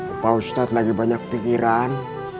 apa ustadz lagi banyak pikiran